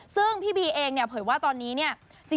ซึ่งพี่บีเองเผยว่าตอนนี้